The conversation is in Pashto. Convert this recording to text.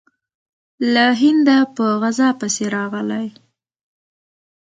له هنده په غزا پسې راغلی.